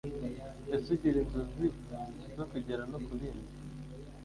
ese ugira inzozi zo kugera no ku bindi.